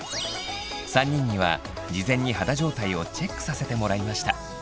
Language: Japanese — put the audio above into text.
３人には事前に肌状態をチェックさせてもらいました。